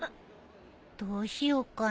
どうしよっかなあ。